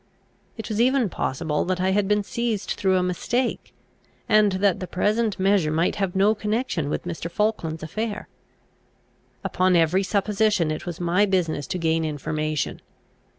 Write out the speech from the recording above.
It was even possible that I had been seized through a mistake, and that the present measure might have no connection with Mr. Falkland's affair. Upon every supposition, it was my business to gain information.